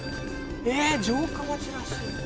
えっ城下町らしい。